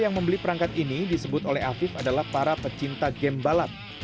yang membeli perangkat ini disebut oleh afif adalah para pecinta game balap